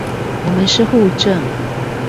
我們是戶政